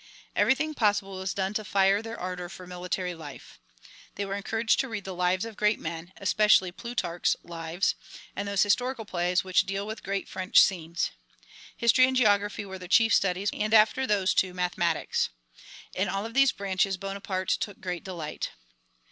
Everything possible was done to fire their ardor for military life. They were encouraged to read the lives of great men, especially Plutarch's "Lives," and those historical plays which deal with great French scenes. History and geography were the chief studies, and after those two, mathematics. In all of these branches Bonaparte took great delight.